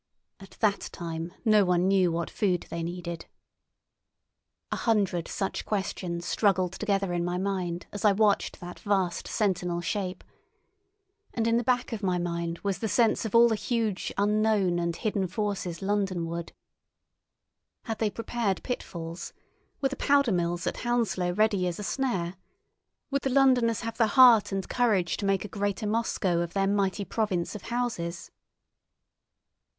(At that time no one knew what food they needed.) A hundred such questions struggled together in my mind as I watched that vast sentinel shape. And in the back of my mind was the sense of all the huge unknown and hidden forces Londonward. Had they prepared pitfalls? Were the powder mills at Hounslow ready as a snare? Would the Londoners have the heart and courage to make a greater Moscow of their mighty province of houses?